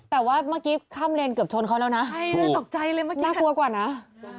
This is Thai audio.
แต่ว่าเมื่อกี้ข้ามเลนเกือบชนเขาแล้วนะน่ากลัวกว่ากว่านะถูก